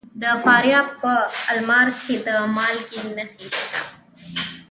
د فاریاب په المار کې د مالګې نښې شته.